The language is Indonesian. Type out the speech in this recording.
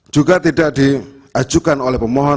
juga tidak diajukan oleh pemohon